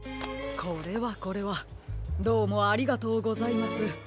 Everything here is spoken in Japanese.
これはこれはどうもありがとうございます。